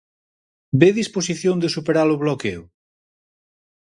Ve disposición de superar o bloqueo?